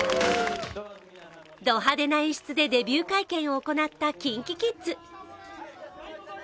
ド派手な演出でデビュー会見を行ったＫｉｎＫｉＫｉｄｓ。